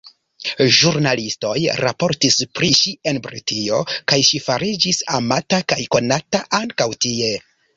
Ĵurnalistoj raportis pri ŝi en Britio kaj ŝi fariĝis amata kaj konata ankaŭ tie.